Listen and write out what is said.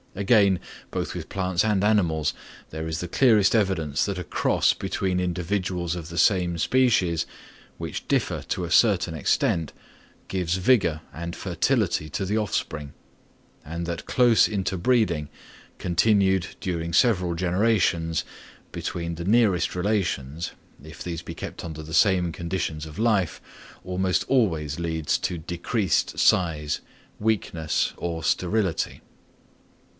Again, both with plants and animals, there is the clearest evidence that a cross between individuals of the same species, which differ to a certain extent, gives vigour and fertility to the offspring; and that close interbreeding continued during several generations between the nearest relations, if these be kept under the same conditions of life, almost always leads to decreased size, weakness, or sterility.